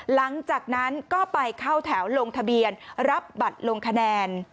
หลังจากนั้นก็ไปเข้าแถวลงทะเบียนรับบัตรลงคะแนน